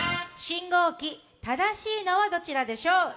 信号機、正しいのはどちらでしょう？